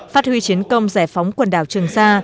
phát huy chiến công giải phóng quần đảo trường sa